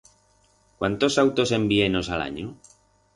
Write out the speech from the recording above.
Cuántos autos en vienos a l'anyo?